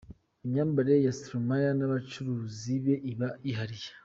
Imyambarire ya Stromae n'abacuranzi be iba yihariye.